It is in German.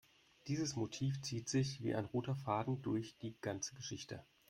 Dieses Motiv zieht sich wie ein roter Faden durch die ganze Geschichte.